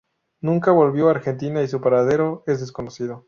Nunca volvió a Argentina y su paradero es desconocido.